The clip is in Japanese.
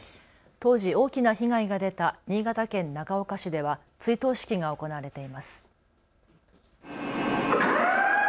当時、大きな被害が出た新潟県長岡市では追悼式が行われています。